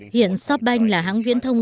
hiện shopbank là hãng viễn thông